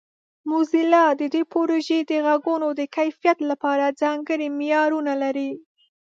موزیلا د دې پروژې د غږونو د کیفیت لپاره ځانګړي معیارونه لري.